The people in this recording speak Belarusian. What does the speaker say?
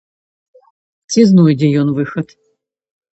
Ці знойдзе ён выхад?